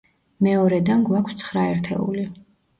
მეორედან გვაქვს ცხრა ერთეული.